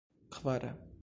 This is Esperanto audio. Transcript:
kvara